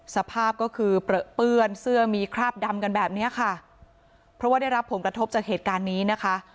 สภาพก็คือเปลือเปื้อนเสื้อมีคราบดำกันแบบเนี้ยค่ะเพราะว่าได้รับผลกระทบจากเหตุการณ์นี้นะคะ